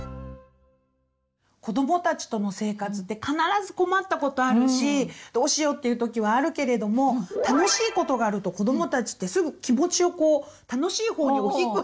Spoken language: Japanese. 子どもたちとの生活って必ず困ったことあるし「どうしよう」っていう時はあるけれども楽しいことがあると子どもたちってすぐ気持ちをこう楽しいほうに「お引っ越し」できるんだよね。